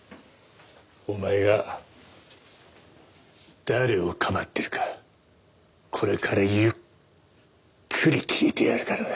お前が誰をかばってるかこれからゆっくり聞いてやるからな。